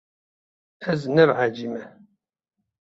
Ez nebehecî me.